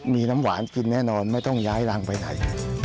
มีน้ำหวานกินแน่นอนไม่ต้องย้ายรังไปไหน